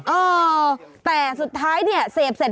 เออแต่สุดท้ายเนี่ย